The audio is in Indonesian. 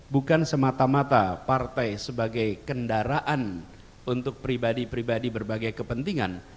bukan semata mata partai sebagai kendaraan untuk pribadi pribadi berbagai kepentingan